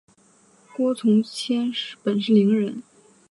郭从谦本是伶人。